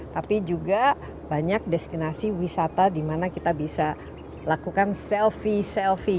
tapi juga banyak destinasi wisata di mana kita bisa lakukan selfie selfie